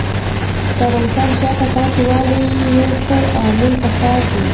د افغانستان د شاته پاتې والي یو ستر عامل فساد دی.